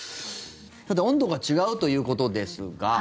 さて温度が違うということですが。